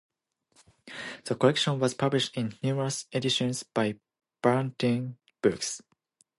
The collection was published in numerous editions by Ballantine Books.